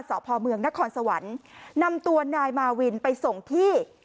สพเมืองนครสวรรค์นำตัวนายมาวินไปส่งที่